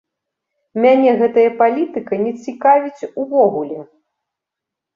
Мяне гэтая палітыка не цікавіць увогуле!